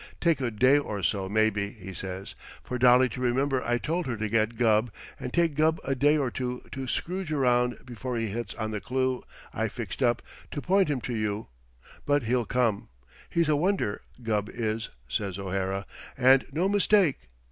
Take a day or so, maybe,' he says, 'for Dolly to remember I told her to get Gubb, and take Gubb a day or two to scrooge round before he hits on the clue I've fixed up to point him to you, but he'll come. He's a wonder, Gubb is,' says O'Hara, 'and no mistake.